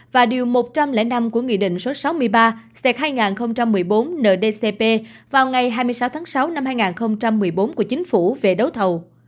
và điều một trăm linh năm của nghị định số sáu mươi ba c hai nghìn một mươi bốn ndcp vào ngày hai mươi sáu tháng sáu năm hai nghìn một mươi bốn của chính phủ về đấu thầu